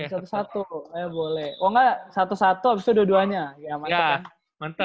satu satu ya boleh oh ga satu satu abis itu dua duanya ya mantep kan